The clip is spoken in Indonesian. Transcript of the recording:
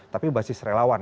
tapi basis relawan